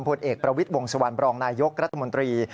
ผลเอกประวิทย์วงสวรรบรองนายยกรัฐมนตรี